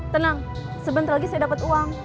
tenang sebentar lagi saya dapat uang